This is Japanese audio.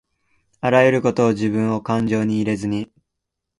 あらゆることをじぶんをかんじょうに入れずに